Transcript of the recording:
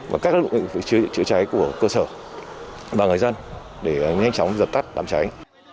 và các lực lượng chữa cháy của cơ sở và người dân để nhanh chóng dập tắt đám cháy